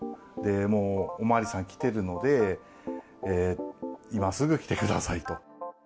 もうお巡りさん来てるので、今すぐ来てくださいと。